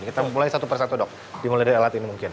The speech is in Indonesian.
kita mulai satu persatu dok dimulai dari alat ini mungkin